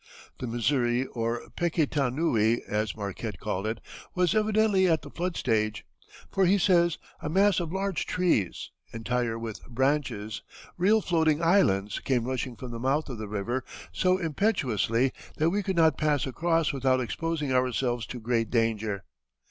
The Missouri, or Pekitanoui, as Marquette called it, was evidently at the flood stage, for he says: "A mass of large trees, entire with branches, real floating islands, came rushing from the mouth of the river so impetuously that we could not pass across without exposing ourselves to great danger.